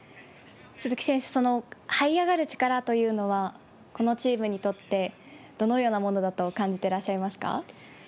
鈴木選手、そのはい上がる力というのは、このチームにとって、どのようなものだと感じてらっしゃいますか。